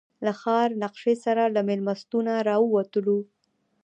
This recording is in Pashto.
له ښار نقشې سره له مېلمستونه راووتلو.